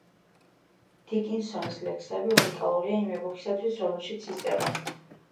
დიკინსონის ლექსები უნიკალურია იმ ეპოქისათვის, რომელშიც ის წერდა.